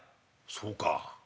「そうか。